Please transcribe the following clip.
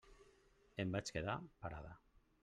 Em vaig quedar parada.